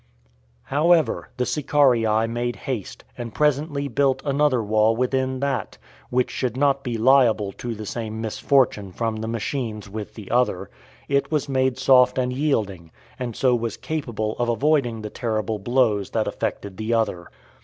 However, the Sicarii made haste, and presently built another wall within that, which should not be liable to the same misfortune from the machines with the other; it was made soft and yielding, and so was capable of avoiding the terrible blows that affected the other.